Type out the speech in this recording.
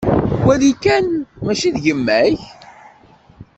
Wali kan! Mačči d yemma-k?